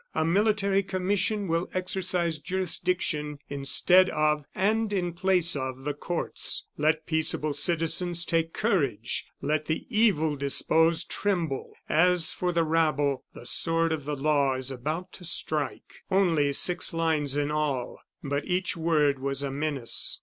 A military commission will exercise jurisdiction instead of, and in place of, the courts. Let peaceable citizens take courage; let the evil disposed tremble! As for the rabble, the sword of the law is about to strike!" Only six lines in all but each word was a menace.